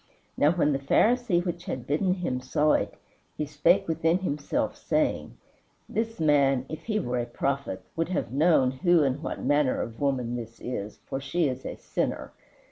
Now when the Pharisee which had bidden him saw it, he spake within himself, saying, This man, if he were a prophet, would have known who and what manner of woman this is, for she is a sinner.